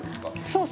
そう